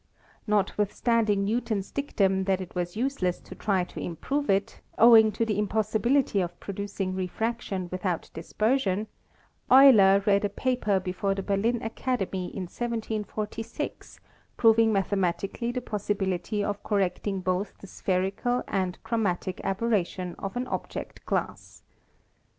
Not withstanding Newton's dictum that it was useless to try to improve it, owing to the impossibility of producing re fraction without dispersion, Euler read a paper before the Berlin Academy in 1747 proving mathematically the pos sibility of correcting both the spherical and chromatic aberration of an object glass.